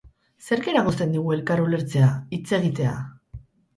Zerk eragozten digu elkar ulertzea, hitz egitea?